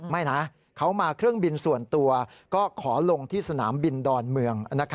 ไม่นะเขามาเครื่องบินส่วนตัวก็ขอลงที่สนามบินดอนเมือง